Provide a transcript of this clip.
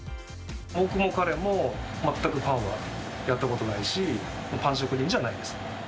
僕も彼も、全くパンはやったことないし、パン職人じゃないです。